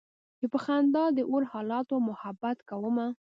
چې په خندا د اور حالاتو محبت کومه